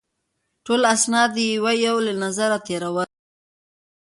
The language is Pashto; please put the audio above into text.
ټول اسناد یې یو یو له نظره تېرول.